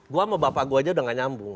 gue sama bapak gue aja udah gak nyambung